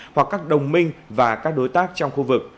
hoặc các đồng minh và các đối tác trong khu vực